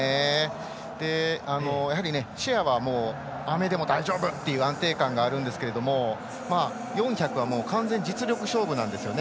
やはりシェアは雨でも大丈夫という安定感があるんですけど４００は完全に実力勝負なんですよね。